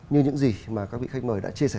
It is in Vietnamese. như những gì mà các vị khách mời đã chia sẻ